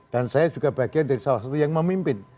dan saya juga bagian dari salah satu yang memimpin